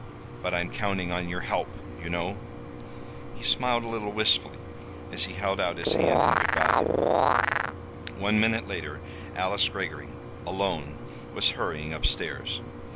But I'm counting on your help, you know," he smiled a little wistfully, as he held out his hand in good by. One minute later Alice Greggory, alone, was hurrying up stairs.